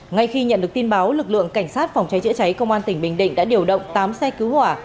ngay khi nhận được tin báo lực lượng cảnh sát phòng cháy chữa cháy công an tỉnh bình định đã điều động tám xe cứu hỏa